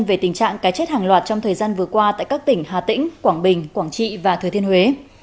về tình trạng cá chết hàng loạt trong thời gian vừa qua tại các tỉnh hà tĩnh quảng bình quảng trị và thừa thiên huế